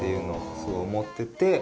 すごい思ってて。